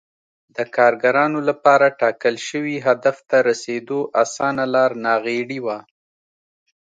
د کارګرانو لپاره ټاکل شوي هدف ته رسېدو اسانه لار ناغېړي وه